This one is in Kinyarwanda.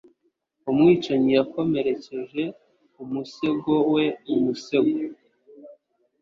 Umwicanyi yakomerekeje umusego we umusego